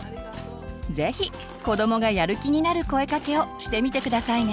是非子どもがやる気になる声かけをしてみて下さいね。